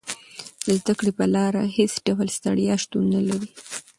د زده کړې په لار کې هېڅ ډول ستړیا شتون نه لري.